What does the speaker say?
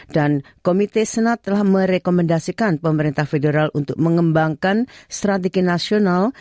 dan komite senat telah merekomendasikan pemerintah federal untuk mengembangkan strategi nasional